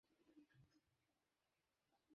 তা আমার যথেষ্ট হয়ে গেছে।